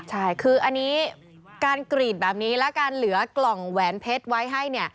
ใช่คืออันนี้การกรีดแบบนี้และการเหลือกล่องแหวนเพชรไว้ให้